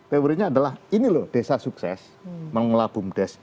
teorinya adalah ini loh desa sukses mengelabung desa